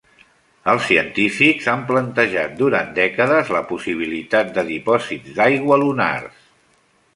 Els científics han plantejat durant dècades la possibilitat de dipòsits d'aigua lunars.